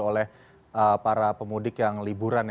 oleh para pemudik yang liburan